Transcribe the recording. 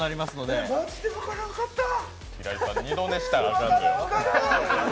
え、マジで分からんかったー。